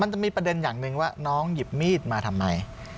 มันจะมีประเด็นอย่างหนึ่งว่าน้องหยิบมีดมาทำไม